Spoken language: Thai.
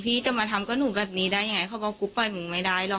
พี่จะมาทำกับหนูแบบนี้ได้ยังไงเขาบอกกูปล่อยมึงไม่ได้หรอก